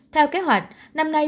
theo kế hoạch năm nay